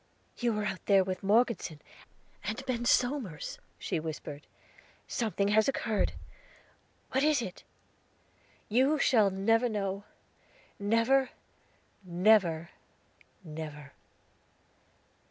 "You were out there with Morgeson and Ben Somers," she whispered; "something has occurred; what is it?" "You shall never know; never never never."